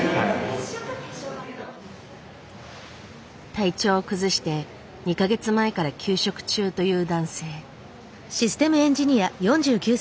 体調を崩して２か月前から休職中という男性。